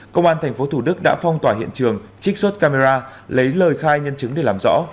công an tp thủ đức đã phong tỏa hiện trường trích xuất camera lấy lời khai nhân chứng để làm rõ